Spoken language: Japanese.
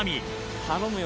頼むよ。